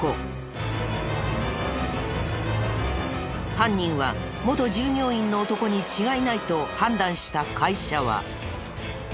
犯人は元従業員の男に違いないと判断した会社は。